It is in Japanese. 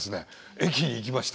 駅に行きました